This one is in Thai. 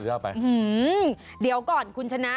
เดี๋ยวก่อนคุณชนะ